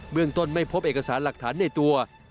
เมืองต้นไม่พบเอกสารหลักฐานในตัว